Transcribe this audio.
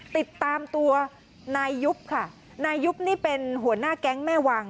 ติดตามตัวนายยุบค่ะนายยุบนี่เป็นหัวหน้าแก๊งแม่วัง